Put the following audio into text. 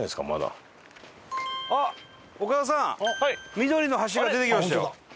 緑の橋が出てきましたよ。